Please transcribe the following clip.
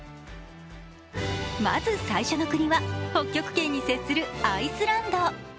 まず最初の国は北極圏に接するアイスランド。